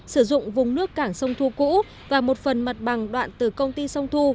sử dụng vùng nước cảng sông thu cũ và một phần mặt bằng đoạn từ công ty sông thu